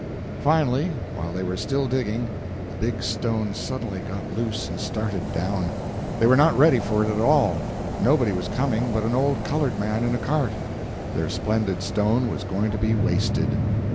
Finally, while they were still digging, the big stone suddenly got loose and started down. They were not ready for it at all. Nobody was coming but an old colored man in a cart; their splendid stone was going to be wasted.